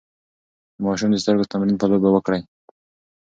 د ماشوم د سترګو تمرين په لوبو وکړئ.